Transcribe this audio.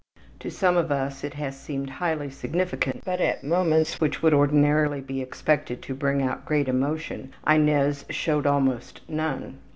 '' To some of us it has seemed highly significant that at moments which would ordinarily be expected to bring out great emotion Inez showed almost none.